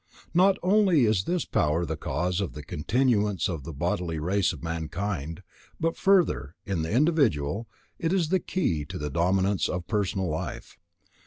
Not only is this power the cause of the continuance of the bodily race of mankind, but further, in the individual, it is the key to the dominance of the personal life.